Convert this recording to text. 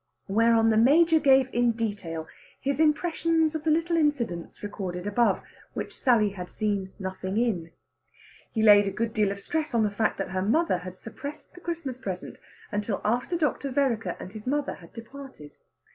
Whereon the Major gave in detail his impressions of the little incidents recorded above, which Sally had seen nothing in. He laid a good deal of stress on the fact that her mother had suppressed the Christmas present until after Dr. Vereker and his mother had departed.